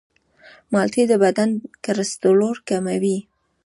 مالټې د بدن کلسترول کموي.